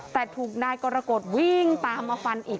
แต่ถูกนายกรกฎวิ่งตามมาฟันอีก